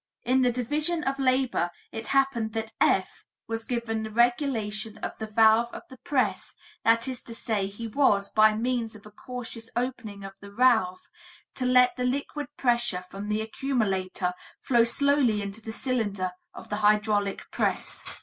"In the division of labor it happened that F. was given the regulation of the valve of the press, that is to say, he was, by means of a cautious opening of the valve, to let the liquid pressure from the accumulator flow slowly into the cylinder of the hydraulic press.